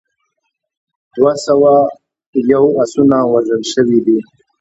دوه سوه یو اسونه وژل شوي دي.